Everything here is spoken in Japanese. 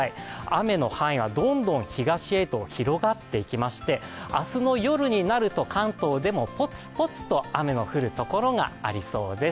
雨の範囲はどんどん東へと広がっていきまして、明日の夜になると、関東でもぽつぽつと雨の降るところがありそうです。